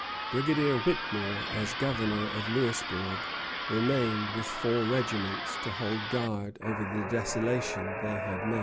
Brigadier Whitmore, as governor of Louisbourg, remained with four regiments to hold guard over the desolation they had made.